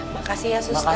makasih ya suster